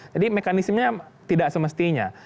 jadi mekanismenya tidak semestinya